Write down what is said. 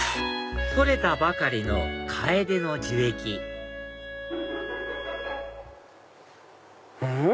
採れたばかりのカエデの樹液うん？